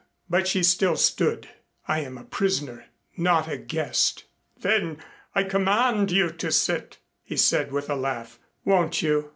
But she still stood. "I am a prisoner, not a guest." "Then I command you to sit," he said with a laugh. "Won't you?"